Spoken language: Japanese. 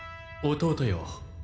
弟よ